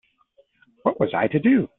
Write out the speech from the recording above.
What was I to do?